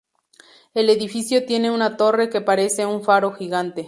El edificio tiene una torre que parece un faro gigante.